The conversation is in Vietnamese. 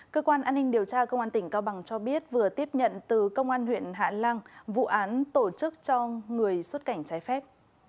cơ quan an ninh điều tra công an tỉnh cao bằng cho biết vừa tiếp nhận từ công an huyện hạ lan vụ án tổ chức cho người xuất cảnh trái phép